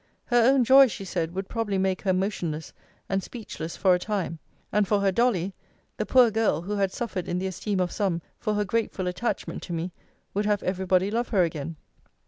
Her own joy, she said, would probably make her motionless and speechless for a time: and for her Dolly the poor girl, who had suffered in the esteem of some, for her grateful attachment to me, would have every body love her again.